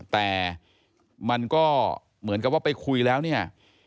แต่มันก็เหมือนกับว่าไปคุยแล้วเนี่ย